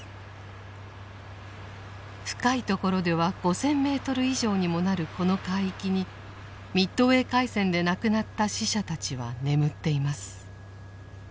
深いところでは５０００メートル以上にもなるこの海域にミッドウェー海戦で亡くなった死者たちは眠っています。